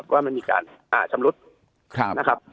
ว่ามันมีการชำรุดนะครับ